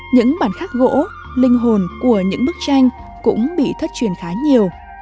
những bản khắc gỗ linh hồn của những bức tranh cũng bị thất truyền khá nhiều